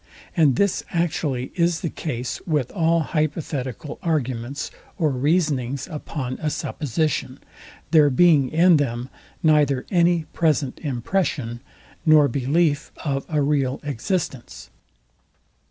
And this actually is the case with all hypothetical arguments, or reasonings upon a supposition; there being in them, neither any present impression, nor belief of a real existence.